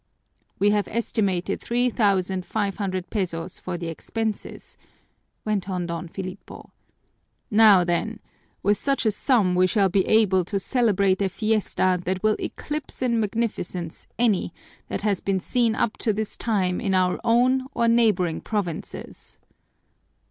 "We have estimated three thousand five hundred pesos for the expenses," went on Don Filipo. "Now then, with such a sum we shall be able to celebrate a fiesta that will eclipse in magnificence any that has been seen up to this time in our own or neighboring provinces."